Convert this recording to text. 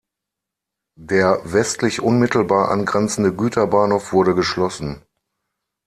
Der westlich unmittelbar angrenzende Güterbahnhof wurde geschlossen.